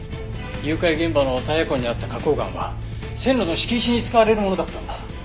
誘拐現場のタイヤ痕にあった花崗岩は線路の敷石に使われるものだったんだ。